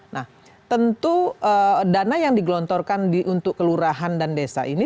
nah tentu dana yang digelontorkan untuk kelurahan dan desa ini